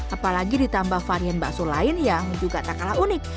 apalagi ditambah varian bakso lain yang juga tak kalah unik